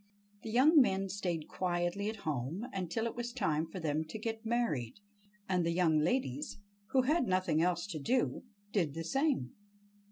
The young men stayed quietly at home until it was time for them to get married, and the young ladies, who had nothing else to do, did the same.